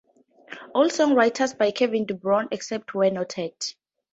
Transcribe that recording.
All songs written by Kevin DuBrow, except where noted.